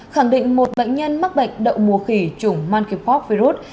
khẳng định một bệnh nhân mắc bệnh đậu mùa khỉ chủng manqov virus